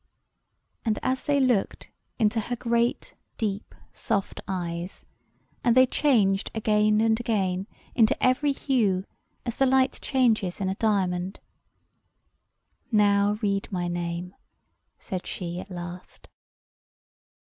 And they looked into her great, deep, soft eyes, and they changed again and again into every hue, as the light changes in a diamond. "Now read my name," said she, at last.